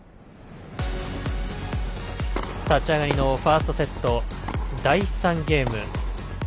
立ち上がりのファーストセット第３ゲーム。